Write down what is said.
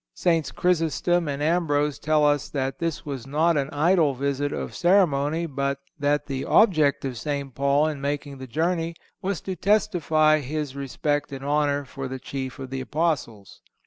(167) Saints Chrysostom and Ambrose tell us that this was not an idle visit of ceremony, but that the object of St. Paul in making the journey was to testify his respect and honor for the chief of the Apostles.